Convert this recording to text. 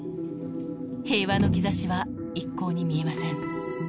平和の兆しは一向に見えません。